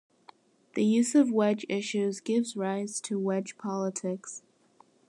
The use of wedge issues gives rise to wedge politics.